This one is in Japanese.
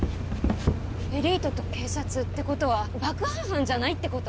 エリートと警察ってことは爆破犯じゃないってこと？